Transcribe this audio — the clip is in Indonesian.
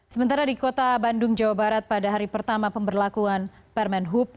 sementara di kota bandung jawa barat pada hari pertama pemberlakuan permen hub